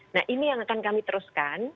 nah ini yang akan kami teruskan